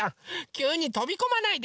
きゅうにとびこまないで。